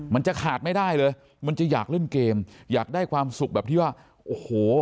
มันจะขาดไม่ได้เลยมันจะอยากเล่นเกมอยากได้ความสุขแบบที่ว่าโอ้โห